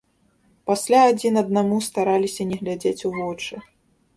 Пасля адзін аднаму стараліся не глядзець у вочы.